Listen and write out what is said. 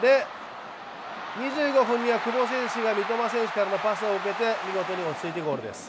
２５分には久保選手が三笘選手からのパスを受けて見事に落ち着いてゴールです。